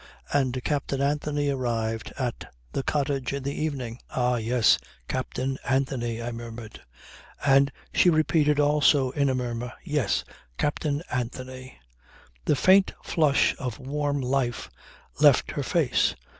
And Captain Anthony arrived at the cottage in the evening." "Ah yes. Captain Anthony," I murmured. And she repeated also in a murmur, "Yes! Captain Anthony." The faint flush of warm life left her face.